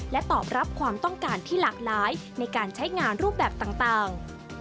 และตอบรับความต้องการที่หลากหลายในการใช้งานรูปแบบต่าง